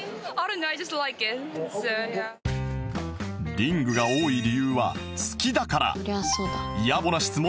リングが多い理由は「好きだから」